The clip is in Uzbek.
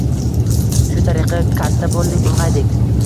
Shu tariqa katta bo‘ldik, ulg‘aydik.